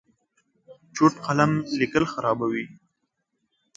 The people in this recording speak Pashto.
چوټ قلم لیکل خرابوي.